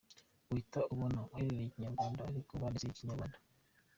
Uhita ubona ahaherereye Ikinyarwanda ariko banditse Ikikinyarwanda.